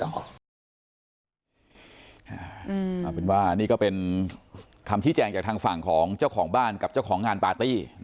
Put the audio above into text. เอาเป็นว่านี่ก็เป็นคำชี้แจงจากทางฝั่งของเจ้าของบ้านกับเจ้าของงานปาร์ตี้